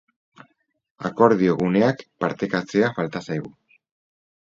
Akordio guneak partekatzea falta zaigu.